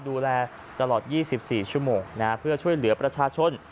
ดูแลตลอด๒๔ชั่วโมงเพื่อช่วยเหลือประชาชน